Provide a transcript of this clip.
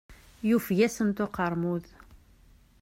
Yufeg-asent uqermud.